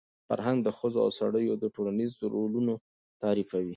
فرهنګ د ښځو او سړیو ټولنیز رولونه تعریفوي.